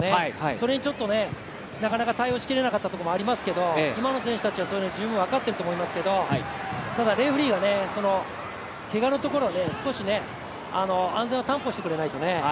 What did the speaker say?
それに、ちょっとなかなか対応しきれなかったところもありますけど今の選手たちは、それを十分分かってると思いますけどただ、レフリーがけがのところは少し安全を担保してくれないとね。